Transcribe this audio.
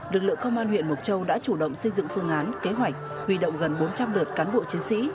lực lượng công an huyện mộc châu đã chủ động xây dựng phương án kế hoạch huy động gần bốn trăm linh lượt cán bộ chiến sĩ